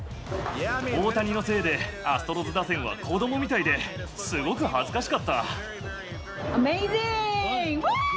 大谷のせいでアストロズ打線は子どもみたいで、すごく恥ずかしかった。